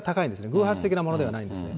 偶発的なものではないんですね。